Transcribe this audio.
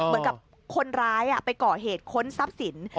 เหมือนกับคนร้ายไปก่อเหตุค้นทรัพย์สิน